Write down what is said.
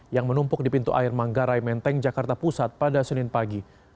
yang menumpuk di pintu air manggarai menteng jakarta pusat pada senin pagi